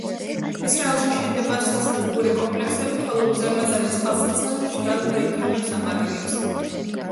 ისრაელში შენდება სასათბურე კომპლექსები, ხოლო უზარმაზარი წყალსაცავი მშრალ რეგიონებს ამარაგებს.